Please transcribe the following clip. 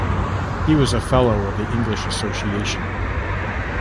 He was a Fellow of the English Association.